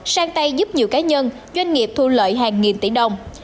sang tay giúp nhiều cá nhân doanh nghiệp thu lợi hàng nghìn tỷ đồng